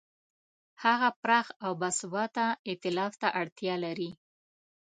هغه پراخ او باثباته ایتلاف ته اړتیا لري.